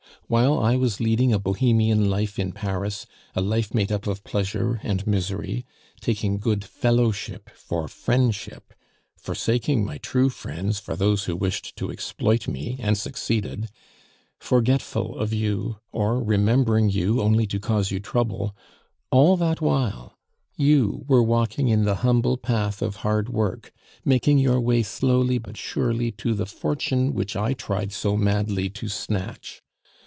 While I was leading a bohemian life in Paris, a life made up of pleasure and misery; taking good fellowship for friendship, forsaking my true friends for those who wished to exploit me, and succeeded; forgetful of you, or remembering you only to cause you trouble, all that while you were walking in the humble path of hard work, making your way slowly but surely to the fortune which I tried so madly to snatch.